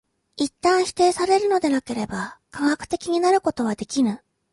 一旦否定されるのでなければ科学的になることはできぬ。